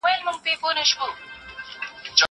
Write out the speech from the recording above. زه به اوږده موده مکتب ته تللي وم!!